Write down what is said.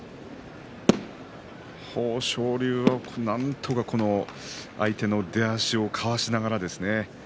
豊昇龍はなんとか相手の出足をかわしながらですね